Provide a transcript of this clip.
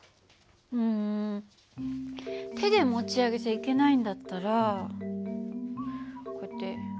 うん手で持ち上げちゃいけないんだったらこうやって横に動かしてみるとか。